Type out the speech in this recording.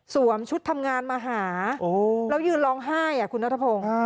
ชุดทำงานมาหาแล้วยืนร้องไห้คุณนัทพงศ์